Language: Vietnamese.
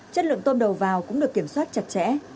chất lượng tôm đầu vào cũng được kiểm soát chặt chẽ